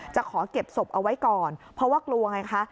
จะขอเก็บศพเอาไว้ก่อนเพราะว่ากลัวไงคะ